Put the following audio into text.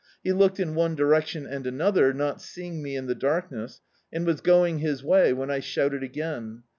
He looked in one direction and another, not seeing me in the darkness, and was going his way when I shouted again.